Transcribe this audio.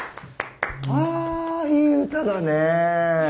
あいい歌だね。